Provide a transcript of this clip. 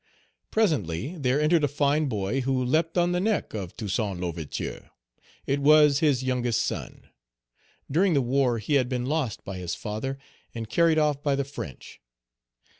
Presently there entered a fine boy who leapt on the neck of Toussaint L'Ouverture, it was his youngest son. During the war he had been lost by his father, and carried off by the French.